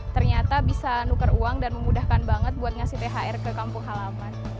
ternyata bisa nukar uang dan memudahkan banget buat ngasih thr ke kampung halaman